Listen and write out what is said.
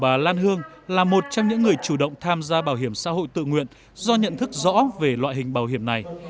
bà lan hương là một trong những người chủ động tham gia bảo hiểm xã hội tự nguyện do nhận thức rõ về loại hình bảo hiểm này